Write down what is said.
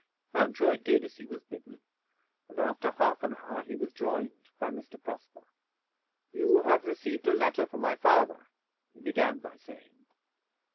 Mountjoy did as he was bidden, and after half an hour he was joined by Mr. Prosper. "You have received a letter from my father," he began by saying.